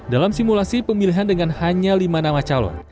dalam simulasi pemilihan dengan hanya lima nama calon